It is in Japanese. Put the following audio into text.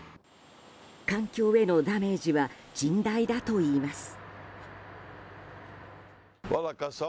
環境へのダメージは甚大だといいます。